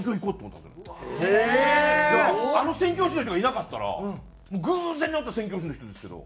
あの宣教師の人がいなかったら偶然出会った宣教師の人ですけど。